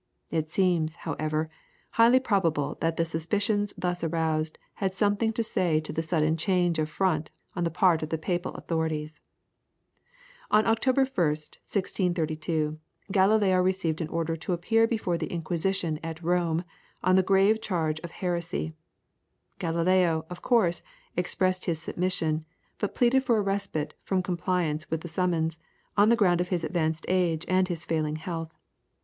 It seems, however, highly probable that the suspicions thus aroused had something to say to the sudden change of front on the part of the Papal authorities. On 1st October, 1632, Galileo received an order to appear before the Inquisition at Rome on the grave charge of heresy. Galileo, of course, expressed his submission, but pleaded for a respite from compliance with the summons, on the ground of his advanced age and his failing health.